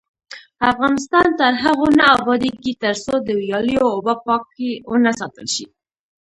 افغانستان تر هغو نه ابادیږي، ترڅو د ویالو اوبه پاکې ونه ساتل شي.